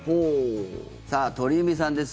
さあ、鳥海さんです